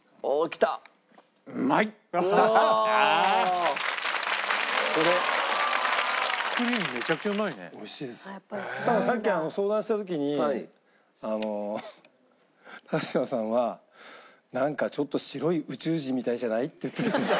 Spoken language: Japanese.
たださっき相談した時に嶋さんはなんかちょっと白い宇宙人みたいじゃない？って言ってたんですよ。